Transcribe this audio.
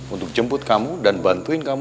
untuk jemput kamu dan bantuin kamu